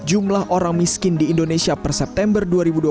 jumlah orang miskin di indonesia per september dua ribu dua puluh